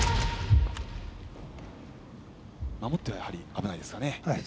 守っては危ないですかね。